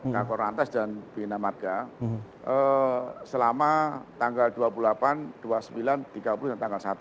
kakor lantas dan bina marga selama tanggal dua puluh delapan dua puluh sembilan tiga puluh dan tanggal satu